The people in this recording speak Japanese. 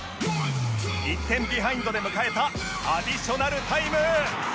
１点ビハインドで迎えたアディショナルタイム